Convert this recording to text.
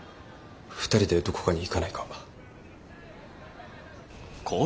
２人でどこかに行かないか？